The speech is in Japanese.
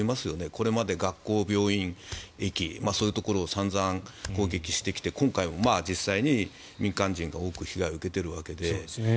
これまで学校、病院、駅そういうところを散々、攻撃してきて今回も実際に民間人が多く被害を受けているわけで。